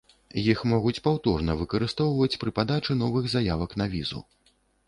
Іх могуць паўторна выкарыстоўваць пры падачы новых заявак на візу.